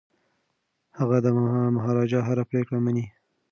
هغه د مهاراجا هره پریکړه مني.